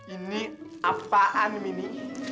ini apaan mini